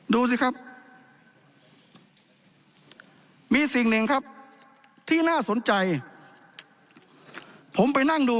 ดูสิครับมีสิ่งหนึ่งครับที่น่าสนใจผมไปนั่งดู